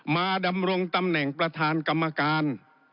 ดำรงตำแหน่งประธานกรรมการ